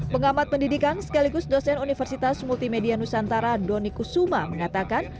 pengamat pendidikan sekaligus dosen universitas multimedia nusantara doni kusuma mengatakan